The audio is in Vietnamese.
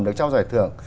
được trao giải thưởng